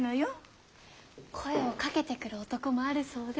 声をかけてくる男もあるそうで。